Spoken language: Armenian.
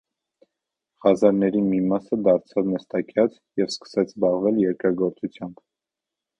Խազարների մի մասը դարձավ նստակյաց և սկսեց զբաղվել երկրագործությամբ։